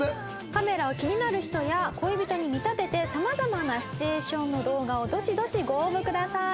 カメラを気になる人や恋人に見立てて様々なシチュエーションの動画をどしどしご応募ください。